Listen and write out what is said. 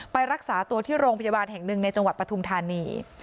ไปรักษาตัวที่โรงพยาบาลแห่งหนึ่งในจังหวัดปฐุมธานี